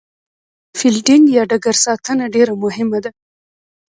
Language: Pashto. فیلډینګ یا ډګر ساتنه ډېره مهمه ده.